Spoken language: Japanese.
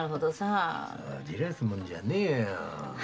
そう焦らすもんじゃねえよ。